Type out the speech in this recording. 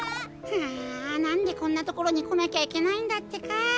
ああなんでこんなところにこなきゃいけないんだってか。